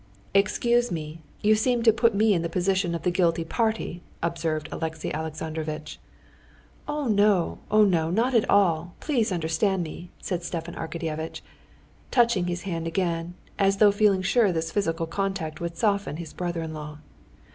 "Excuse me, you seem to put me in the position of the guilty party," observed Alexey Alexandrovitch. "Oh, no, oh, no, not at all! please understand me," said Stepan Arkadyevitch, touching his hand again, as though feeling sure this physical contact would soften his brother in law.